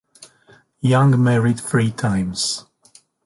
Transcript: Young married three times.